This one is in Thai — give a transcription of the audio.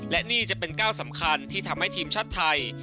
และนี่จะเป็นก้าวสำคัญที่ทำให้ทีมชาติไทย